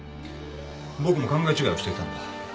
僕も考え違いをしていたんだ。